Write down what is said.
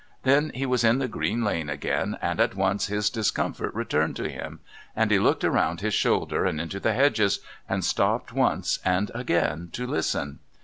Then he was in the green lane again, and at once his discomfort returned to him, and he looked around his shoulder and into the hedges, and stopped once and again to listen.